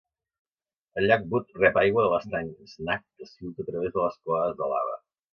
El llac Butte rep aigua de l'estany Snag que es filtra a través de les colades de lava.